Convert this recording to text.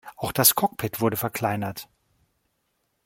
Auch das Cockpit wurde verkleinert.